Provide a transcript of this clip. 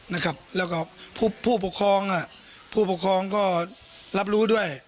นะครับแล้วก็ผู้ปกครองอ่ะผู้ปกครองก็รับรู้ด้วย